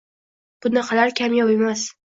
Bunaqalar kamyob emas